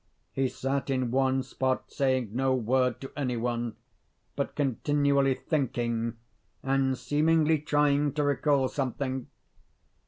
He sat in one spot, saying no word to any one; but continually thinking and seemingly trying to recall something.